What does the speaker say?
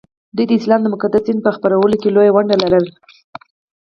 دوی د اسلام د مقدس دین په خپرولو کې لویه ونډه لرله